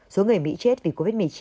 số người mỹ chết vì covid một mươi chín